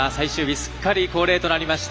すっかり恒例となりました